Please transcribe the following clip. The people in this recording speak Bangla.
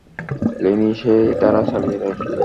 লিনি সেই ধারা চালিয়ে যায়।